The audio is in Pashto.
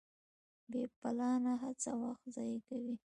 بې پلانه هڅه وخت ضایع کوي.